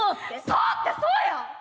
そうってそうやん！